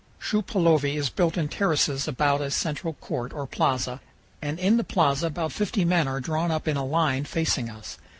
Shupaulovi is built in terraces about a central court, or plaza, and in the plaza about fifty men are drawn up in a line facing us.